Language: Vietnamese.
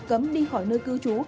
cấm đi khỏi nơi cư trú